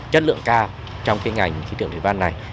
chất lượng cao trong cái ngành khí tượng thủy văn này